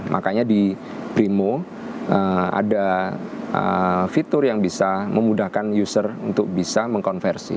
makanya di primo ada fitur yang bisa memudahkan user untuk bisa mengkonversi